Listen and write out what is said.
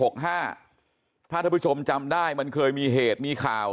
ถ้าท่านผู้ชมจำได้มันเคยมีเหตุมีข่าว